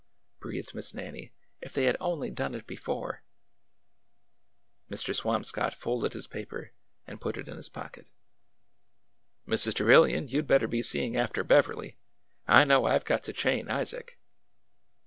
" breathed Miss Nannie, '' if they had only done it before !" Mr. Swamscott folded his paper and put it in his pocket. Mrs. Trevilian, you 'd better be seeing after Beverly. I know I 've got to chain Isaac